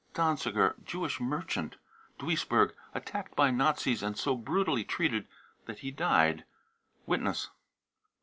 danziger, Jewish merchant, Duisburg, attacked by Nazis and so brutally treated that he died. (Witness.)